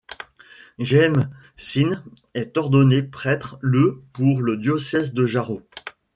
Jaime Sin est ordonné prêtre le pour le diocèse de Jaro.